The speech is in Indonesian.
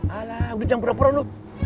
alah udah jangkron pang lu